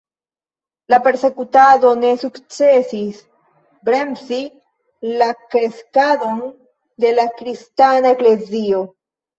La persekutado ne sukcesis bremsi la kreskadon de la kristana eklezio.